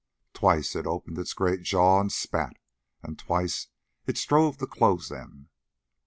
Twice it opened its great jaws and spat, and twice it strove to close them.